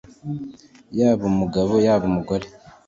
yaba umugabo, yaba umugore